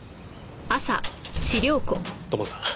土門さん